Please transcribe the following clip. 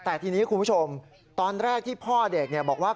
แต่ทีนี้คุณผู้ชมตอนแรกที่พ่อเด็กบอกว่า